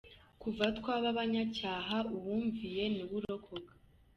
Kuva twaba abanyacyaha, uwumviye niwe urokoka.